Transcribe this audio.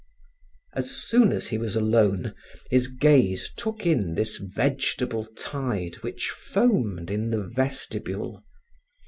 As soon as he was alone his gaze took in this vegetable tide which foamed in the vestibule.